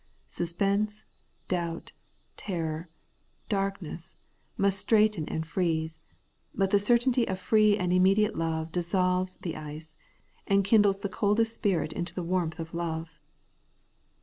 Suspense, doubt, terror, darkness, must straiten and freeze ; but the certainty of free and immediate love dissolves the ice, and kindles the coldest spirit into the warmth of love.